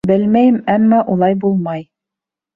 Белмәйем, әммә улай булмай!